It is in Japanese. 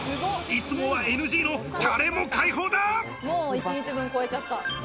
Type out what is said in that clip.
いつもはＮＧのタレも開放だ！